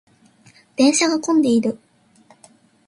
電車が混んでいる。